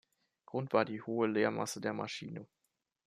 Grund war die hohe Leermasse der Maschine.